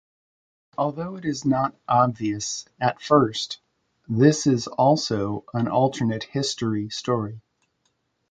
Although it is not obvious at first, this is also an alternate history story.